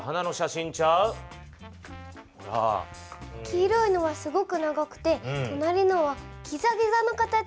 黄色いのはすごく長くてとなりのはギザギザの形。